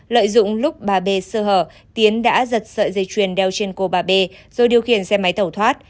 lợi dụng lúc bà b sơ hở tiến đã giật sợi dây chuyền đeo trên cô bà b rồi điều khiển xe máy tẩu thoát